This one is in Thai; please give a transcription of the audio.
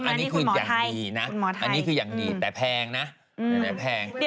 อันนี้คืออย่างดีนะอันนี้คืออย่างดีแต่แพงนะแพง